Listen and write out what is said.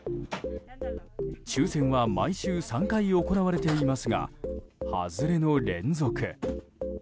抽選は毎週３回行われていますが外れの連続。